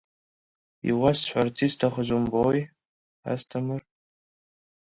Иуасҳәарц исҭахыз умбои, Асҭамыр…